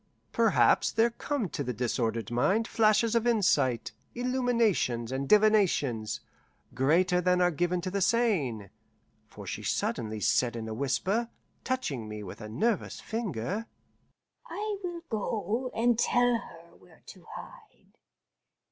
Perhaps there come to the disordered mind flashes of insight, illuminations and divinations, greater than are given to the sane, for she suddenly said in a whisper, touching me with a nervous finger, "I will go and tell her where to hide.